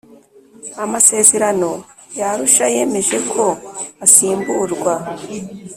amasezerano ya Arushayemeje ko asimburwa